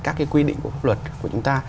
các quy định của luật của chúng ta